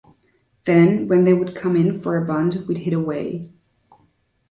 Then when they would come in for a bunt we'd hit away.